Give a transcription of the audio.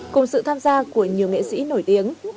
cùng sự tham gia của nhiều nghệ sĩ nổi tiếng